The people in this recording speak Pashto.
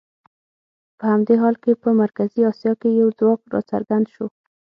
په همدې حال کې په مرکزي اسیا کې یو ځواک راڅرګند شو.